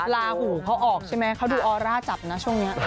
ลาหูเขาออกใช่ไหมเขาดูออร่าจับนะช่วงนี้